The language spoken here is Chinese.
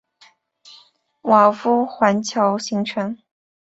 瓦夫环礁形成。